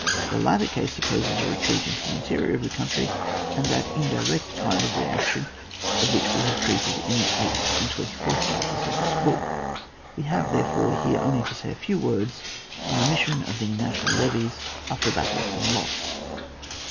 The latter case supposes a retreat into the interior of the country, and that indirect kind of reaction of which we have treated in the eighth and twenty fourth chapters of this book. We have, therefore, here only to say a few words on the mission of the national levies after a battle has been lost.